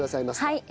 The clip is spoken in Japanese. はい。